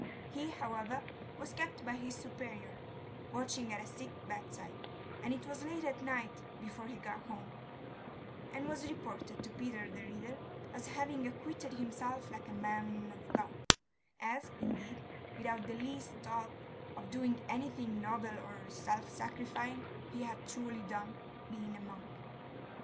He, however, was kept by his superior, watching at a sick bedside, and it was late at night before he got home, and was reported to Peter the Reader as having acquitted himself like 'a man of God,' as, indeed, without the least thought of doing anything noble or self sacrificing, he had truly done, being a monk.